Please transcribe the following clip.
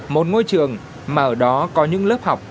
một ngôi trường mà ở đó có những lớp học